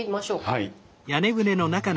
はい。